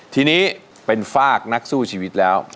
ทีนี้เป็นฝากนักสู้ชีวิตแล้ว